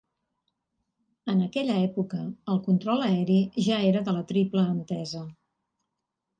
En aquella època, el control aeri ja era de la Triple Entesa.